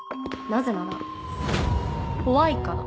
なぜなら怖いから。